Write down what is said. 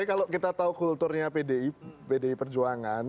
tapi kalau kita tahu kulturnya pdi perjuangan